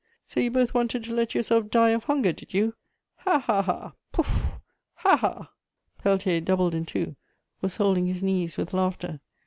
So you both wanted to let yourself die of hunger, did you? Ha, ha, ha! Pouf!.... Ha, ha!" Peltier, doubled in two, was holding his knees with laughter.